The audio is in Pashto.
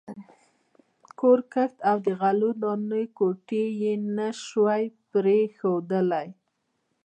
کور، کښت او د غلو دانو کوټې یې نه شوای پرېښودلای.